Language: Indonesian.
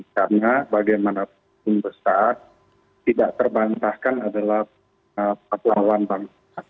karena bagaimanapun besar tidak terbantahkan adalah peperlawan bangsa